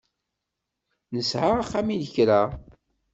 Nesɛa axxam i lekra.